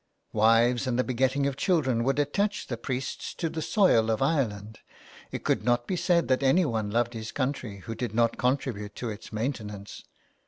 Wives and the begetting of children would attach the priests to the soil of Ireland. It could not be said that anyone loved his country who did not contribute to its maintenance.